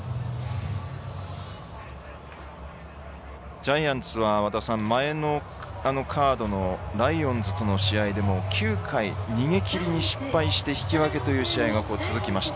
ジャイアンツは前のカードのライオンズとの試合でも９回逃げきりに失敗して引き分けという試合が続きました。